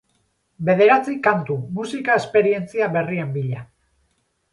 Bederatzi kantu, musika esperientzia berrien bila.